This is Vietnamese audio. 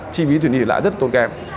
chi phí truyền hình lại rất tôn kèm